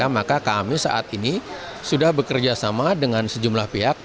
maka kami saat ini sudah bekerja sama dengan sejumlah pihak